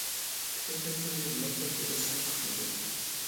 پۈتۈن بىر كۈندۈز مەكتەپكە دەسسەپ باقمىدى.